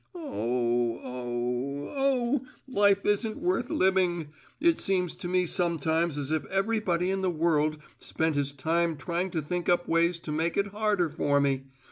"Oh, oh, oh! Life isn't worth living it seems to me sometimes as if everybody in the world spent his time trying to think up ways to make it harder for me!